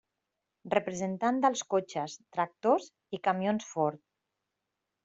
Representant dels cotxes, tractors i camions Ford.